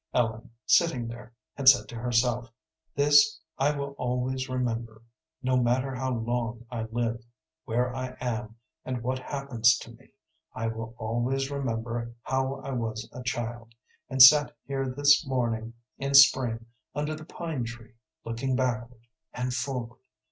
Ellen, sitting there, had said to herself: "This I will always remember. No matter how long I live, where I am, and what happens to me, I will always remember how I was a child, and sat here this morning in spring under the pine tree, looking backward and forward.